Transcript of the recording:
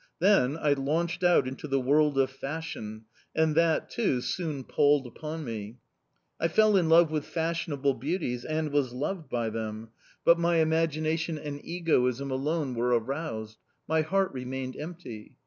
Then I launched out into the world of fashion and that, too, soon palled upon me. I fell in love with fashionable beauties and was loved by them, but my imagination and egoism alone were aroused; my heart remained empty...